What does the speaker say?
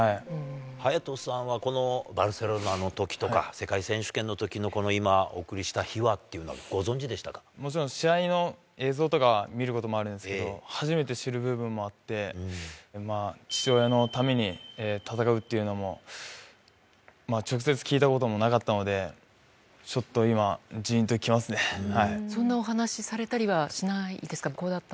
颯人さんはこのバルセロナのときとか、世界選手権のときの、この今、お送りした秘話というのもちろん、試合の映像とかは見ることもあるんですけど、初めて知る部分もあって、まあ、父親のために戦うっていうのも、直接聞いたこともなかったので、ちょっと今、そんなお話されたりはしないですか？